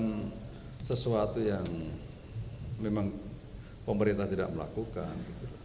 bukan sesuatu yang memang pemerintah tidak melakukan